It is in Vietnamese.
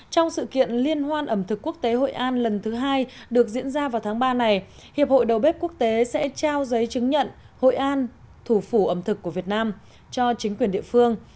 trong sự kiện liên hoan ẩm thực quốc tế hội an lần thứ hai được diễn ra vào tháng ba này hiệp hội đầu bếp quốc tế sẽ trao giấy chứng nhận hội an thủ phủ ẩm thực của việt nam cho chính quyền địa phương